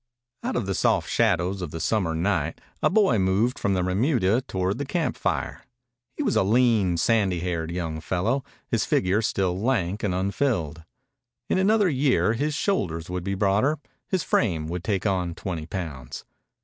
Out of the soft shadows of the summer night a boy moved from the remuda toward the camp fire. He was a lean, sandy haired young fellow, his figure still lank and unfilled. In another year his shoulders would be broader, his frame would take on twenty pounds.